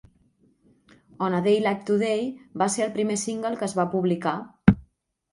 "On a Day Like Today" va ser el primer single que es va publicar.